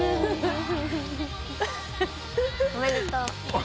おめでとう。